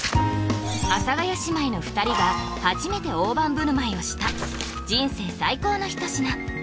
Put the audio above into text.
阿佐ヶ谷姉妹の２人が初めて大盤振る舞いをした人生最高の一品